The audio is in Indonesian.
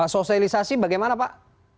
sosialisasi bagaimana pak